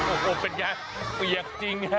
โอ้โหเป็นอย่างไรเป็นอย่างจริงฮะ